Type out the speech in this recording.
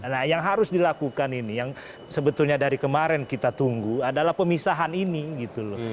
nah yang harus dilakukan ini yang sebetulnya dari kemarin kita tunggu adalah pemisahan ini gitu loh